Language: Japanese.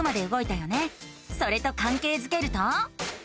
それとかんけいづけると。